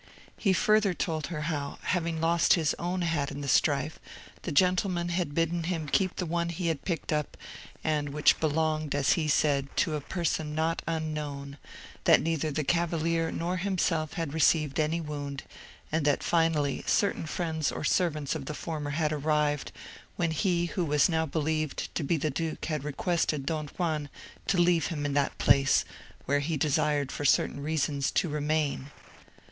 He further told her how, having lost his own hat in the strife, the gentleman had bidden him keep the one he had picked up, and which belonged, as he said, to a person not unknown; that neither the cavalier nor himself had received any wound; and that, finally, certain friends or servants of the former had arrived, when he who was now believed to be the duke had requested Don Juan to leave him in that place, where he desired for certain reasons to remain.